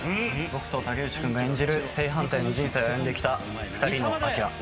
僕と竹内君が演じる正反対の人生を歩んできた２人のアキラ。